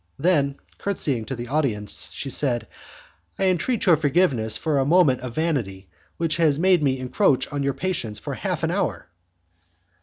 Then, curtsying to the audience, she said, "I entreat your forgiveness for a movement of vanity which has made me encroach on your patience for half an hour."